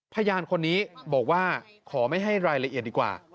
พยานคนนี้บอกว่าขอไม่ให้รายละเอียดดีกว่า